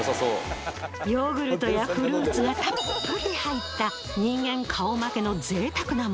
ヨーグルトやフルーツがたっぷり入った人間顔負けの贅沢なもの。